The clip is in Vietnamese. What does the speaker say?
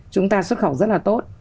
chúng ta xuất khẩu rất là tốt